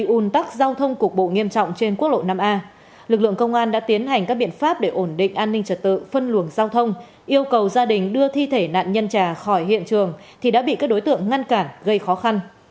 un tắc giao thông cục bộ nghiêm trọng trên quốc lộ năm a lực lượng công an đã tiến hành các biện pháp để ổn định an ninh trật tự phân luồng giao thông yêu cầu gia đình đưa thi thể nạn nhân trà khỏi hiện trường thì đã bị các đối tượng ngăn cản gây khó khăn